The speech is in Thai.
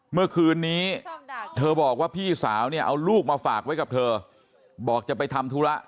เมื่อคืนนี้เธอบอกว่าพี่สาวเนี่ยเอาลูกมาฝากไว้กับเธอบอกจะไปทำธุระ